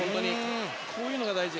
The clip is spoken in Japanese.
こういうのが大事。